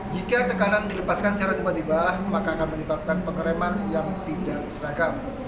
jika tekanan dilepaskan secara tiba tiba maka akan menyebabkan pengereman yang tidak seragam